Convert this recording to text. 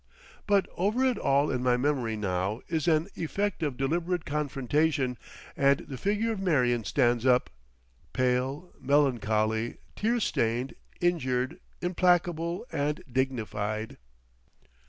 But over it all in my memory now is an effect of deliberate confrontation, and the figure of Marion stands up, pale, melancholy, tear stained, injured, implacable and dignified.